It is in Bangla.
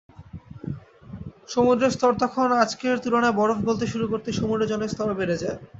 সমুদ্রের স্তর তখন আজকের তুলনায় বরফ গলতে শুরু করতেই সমুদ্রের জলের স্তর বেড়ে যায়।